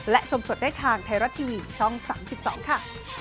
และชมสดได้ทางไทยรัฐทีวีช่อง๓๒ค่ะ